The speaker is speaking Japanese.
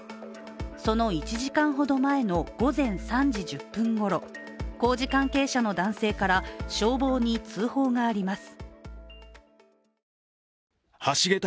その１時間ほど前の午前３時１０分ごろ工事関係者の男性から消防に通報があります。